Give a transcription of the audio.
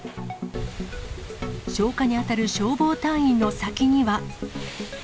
消火に当たる消防隊員の先には。